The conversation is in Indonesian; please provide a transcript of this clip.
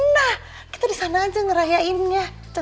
nah kita di sana aja ngerayainnya